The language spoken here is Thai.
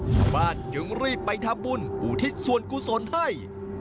จึงรีบไปทำบุญอุทิศส่วนกุศลให้